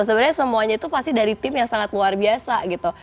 sebenarnya semuanya itu pasti dari tim yang sangat luar biasa gitu